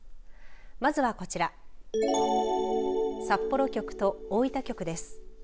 まずはこちら札幌局と大分局です。